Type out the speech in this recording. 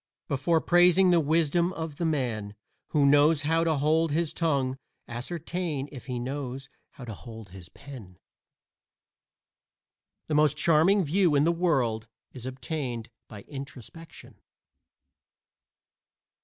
Before praising the wisdom of the man who knows how to hold his tongue ascertain if he knows how to hold his pen. The most charming view in the world is obtained by introspection.